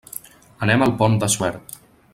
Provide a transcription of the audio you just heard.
Anem al Pont de Suert.